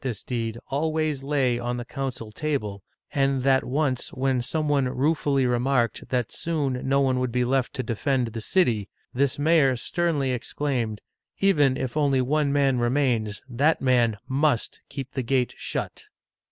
(1610 1643) 307 this deed always lay on the council table, and that once, when some one ruefully remarked that soon no one would be left to defend the city, this mayor sternly exclaimed, "Even if only one man remains, that man must keep the gate shut!'